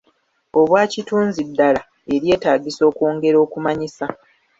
Obwakitunzi ddaala eryeetaagisa okwongera okumanyisa.